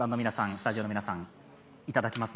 スタジオの皆さん、いただきます。